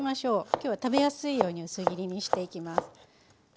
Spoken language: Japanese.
今日は食べやすいように薄切りにしていきます。